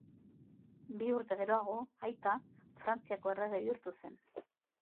Bi urte geroago aita Frantziako errege bihurtu zen.